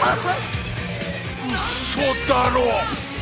うそだろ！